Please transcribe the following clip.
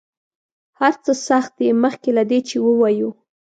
هر څه سخت دي مخکې له دې چې ووایو.